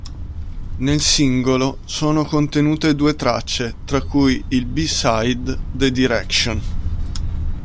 Nel singolo sono contenute due tracce tra cui il B-Side "The Direction".